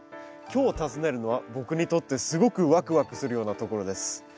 今日訪ねるのは僕にとってすごくワクワクするようなところです。